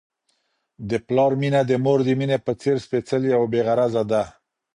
د پلار مینه د مور د مینې په څېر سپیڅلې او بې غرضه ده.